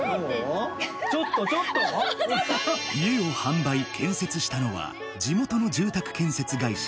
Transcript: ちょっとちょっと家を販売建設したのは地元の住宅建設会社